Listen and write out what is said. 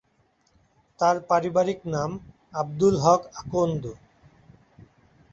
তার পারিবারিক নাম আব্দুল হক আকন্দ।